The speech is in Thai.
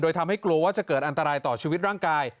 ทำให้กลัวว่าจะเกิดอันตรายต่อชีวิตร่างกาย